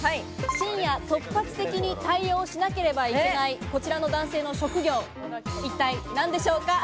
深夜、突発的に対応しなければいけない、こちらの男性の職業は一体何でしょうか？